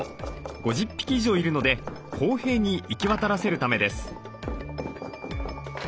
５０匹以上いるので公平に行き渡らせるためです。